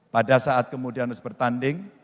pada saat kemudian harus bertanding